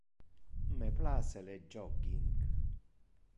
Me place le jogging.